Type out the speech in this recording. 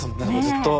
ずっと。